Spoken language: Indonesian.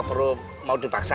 apa perlu mau dipaksa